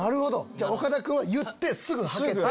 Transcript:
じゃあ岡田君は言ってすぐはける。